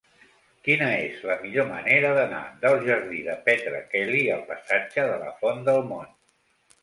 Quina és la millor manera d'anar del jardí de Petra Kelly al passatge de la Font del Mont?